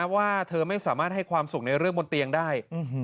ว่าเธอไม่สามารถให้ความสุขในเรื่องบนเตียงได้